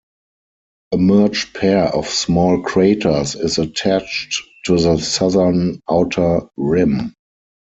A merged pair of small craters is attached to the southern outer rim.